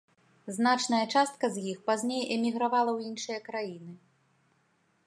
Значная частка з іх пазней эмігравала ў іншыя краіны.